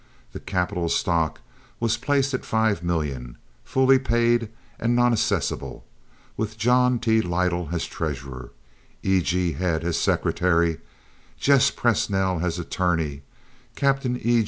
The capital stock was placed at five million, full paid and non assessable, with John T. Lytle as treasurer, E.G. Head as secretary, Jess Pressnall as attorney, Captain E.